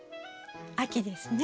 秋ですね。